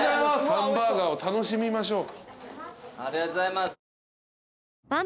ハンバーガーを楽しみましょう。